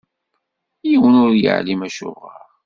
Yiwen ur yeɛlim acuɣeṛ.